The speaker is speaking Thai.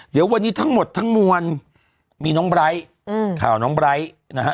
เดี๋ยววันนี้ทั้งหมดทั้งมวลมีน้องไบร์ทข่าวน้องไบร์ทนะฮะ